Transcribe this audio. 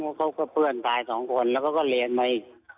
เขาก็เพื่อนตายสองคนแล้วก็เรียนไป